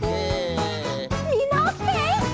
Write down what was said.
みんなおきて！